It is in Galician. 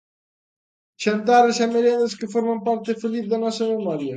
Xantares e merendas que forman parte feliz da nosa memoria.